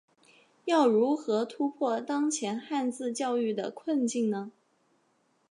要如何突破当前汉字教育的困境呢？